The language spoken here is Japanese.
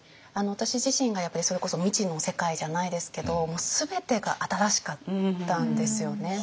私自身がやっぱりそれこそ未知の世界じゃないですけどもう全てが新しかったんですよね。